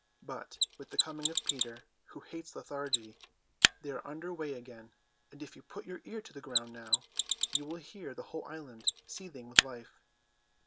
But with the coming of Peter, who hates lethargy, they are under way again: if you put your ear to the ground now, you would hear the whole island seething with life.